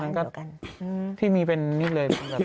ใช่อันนั้นก็ที่มีเป็นนิดเลย